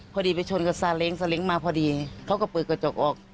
พอดีไปชนกับมาพอดีเขาก็เปิดกระจกออก